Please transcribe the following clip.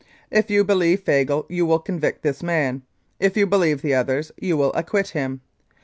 "If you believe Fagle you will convict this man. If you believe the others you will acquit him.